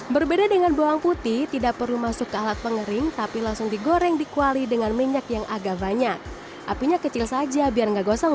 berbeda dengan bawang putih tidak perlu masuk ke alat pengering tapi langsung digoreng di kuali dengan minyak yang agak banyak apinya kecil saja biar nggak gosong